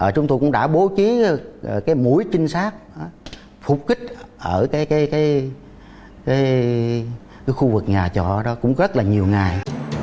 chúng tôi cũng đã bố trí cái mũi trinh sát phục kích ở khu vực nhà trọ đó cũng rất là nhiều ngày